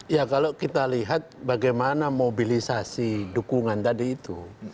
ya kalau kita lihat bagaimana mobilisasi dukungan tadi itu